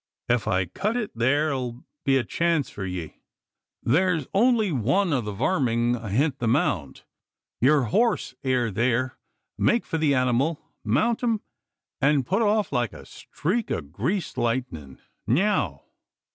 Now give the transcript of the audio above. Ef I cut it, theer'll be a chance for ye. Theer's only one o' the verming ahint the mound. Yeer hoss air theer; make for the anymal mount 'im, an' put off like a streak o' greased lightnin'! Neow!"